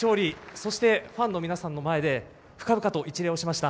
そしてファンの皆さんの前で深々と一礼をしました。